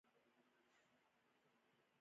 آیا د پایپ لاینونو شبکه پراخه نه ده؟